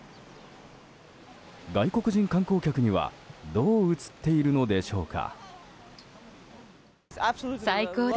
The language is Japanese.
外国人観光客にはどう映っているのでしょうか。